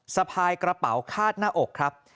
สะพายกระเป๋าคาดหน้าอกครับ